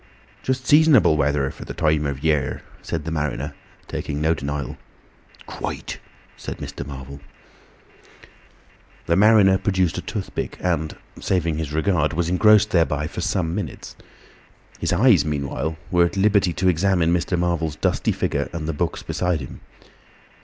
"Just seasonable weather for the time of year," said the mariner, taking no denial. "Quite," said Mr. Marvel. The mariner produced a toothpick, and (saving his regard) was engrossed thereby for some minutes. His eyes meanwhile were at liberty to examine Mr. Marvel's dusty figure, and the books beside him.